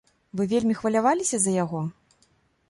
Вы вельмі хваляваліся за яго?